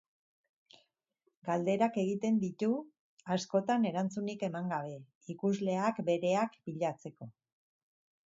Galderak egiten ditu, askotan erantzunik eman gabe, ikusleak bereak bilatzeko.